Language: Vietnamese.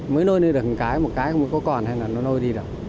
mới nôi đi được một cái một cái không có còn hay là nó nôi đi được